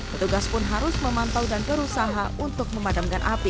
petugas pun harus memantau dan berusaha untuk memadamkan api